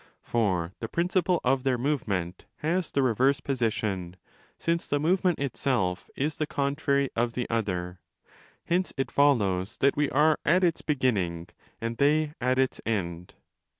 30 For the principle of their movement has the reverse posi tion, since the movement itself is the contrary of the other: hence it follows that we are at its beginning and they at its end.